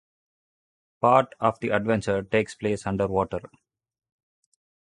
Part of the adventure takes place underwater.